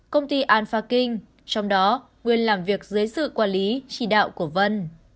công ty anfa king trong đó nguyên làm việc dưới sự quản lý chỉ đạo của vân